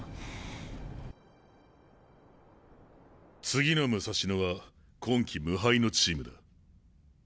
次の武蔵野は今季無敗のチームだ。